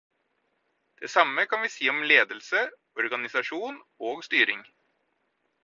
Det samme kan vi si om ledelse, organisasjon og styring.